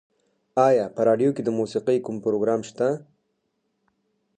ایا په راډیو کې د موسیقۍ کوم پروګرام شته؟